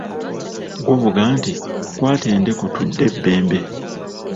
Guvuga nti, kwata eddeku tudde e Bbembe.